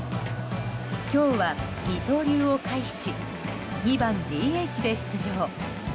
今日は二刀流を回避し２番ＤＨで出場。